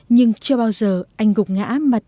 nhưng chưa bao giờ anh gục ngã